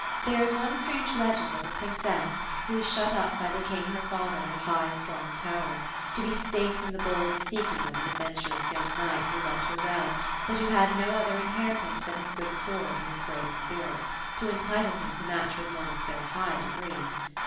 There is one strange legend of a princess who was shut up by the king her father in a high strong tower, to be safe from the bold seeking of an adventurous young knight who loved her well, but who had no other in heritance than his good sword and bis brave spirit, to entitle him to match with one of so high degree.